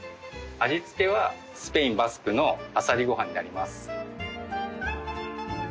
味付けはスペイン・バスクのアサリご飯になります。